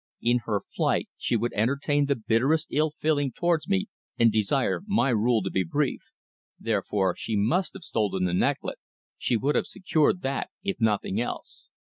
In her flight she would entertain the bitterest ill feeling towards me and desire my rule to be brief. Therefore, she must have stolen the necklet; she would have secured that, if nothing else."